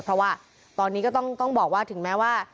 เพราะว่าตอนนี้ก็ต้องบอกว่าถึงแม้ว่า